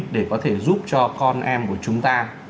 để có thể giúp cho con em của chúng ta